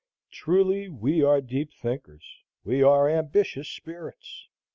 Truly, we are deep thinkers, we are ambitious spirits!